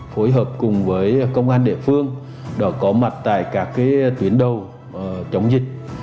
phối hợp cùng với công an địa phương đã có mặt tại các tuyến đầu chống dịch